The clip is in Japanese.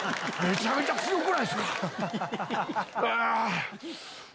めちゃめちゃ強くないすか。